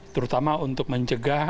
terutama untuk mencegah